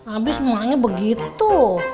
abis emaknya begitu